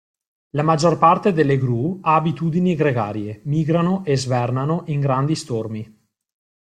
La maggior parte delle gru ha abitudini gregarie, migrano e svernano in grandi stormi.